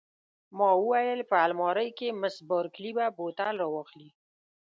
ما وویل: په المارۍ کې، مس بارکلي به بوتل را واخلي.